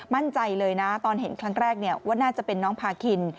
มั่นใจเลยนะตอนเห็นครั้งแรกว่าน่าจะเป็นน้องพาคิน